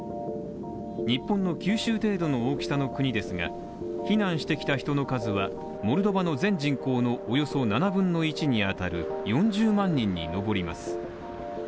日本の九州程度の大きさの国ですが避難してきた人の数はモルドバの全人口のおよそ７分の１に当たる４０万人に上ります。